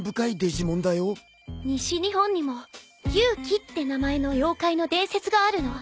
西日本にも牛鬼って名前の妖怪の伝説があるの。